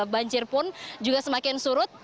banjir pun juga semakin surut